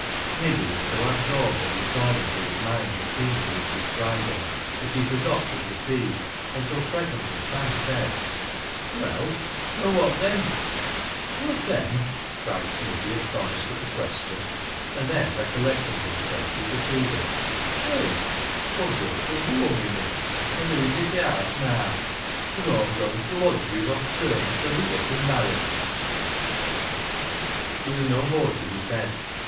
Sniggy was so absorbed in recalling to his mind the scene he was describing, that he forgot to proceed, until presently Sam said — I40 BECKSIDE LIGHTS " Well, an' wot then ?"" Wot then ?" cried Sniggy, astonished at the question ; and then recollecting himself, he proceeded — "Whey, Aw browt her whoam wi' me, an' hoo's i' th' haasc naa. An' Aw'm goin' t' lodge wi' Bob Turner till we gettcn marrit." There was no more to be said.